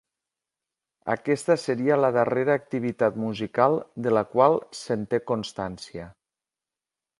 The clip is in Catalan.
Aquesta seria la darrera activitat musical de la qual se'n té constància.